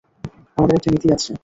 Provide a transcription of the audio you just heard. আমাদের একটা নীতি আছে।